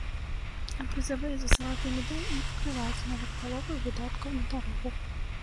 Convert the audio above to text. А прызавыя за залаты медаль не пакрываюць нават паловы выдаткаў на дарогу.